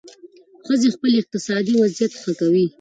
ښځې خپل اقتصادي وضعیت ښه کوي.